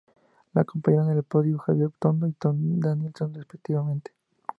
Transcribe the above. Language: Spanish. Le acompañaron en el podio Xavier Tondo y Tom Danielson, respectivamente.